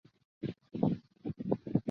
মানুষের সান্নিধ্য পেতে এবং খেলতে পছন্দ করে।